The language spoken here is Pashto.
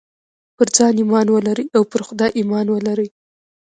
پر ځان ايمان ولرئ او پر خدای ايمان ولرئ.